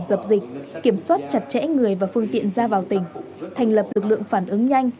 dập dịch kiểm soát chặt chẽ người và phương tiện ra vào tỉnh thành lập lực lượng phản ứng nhanh